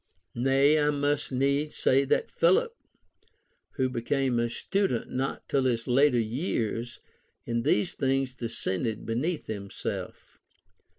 Nay, I must needs say that Philip, who became a student not till his latter years, in these things descended beneath himself.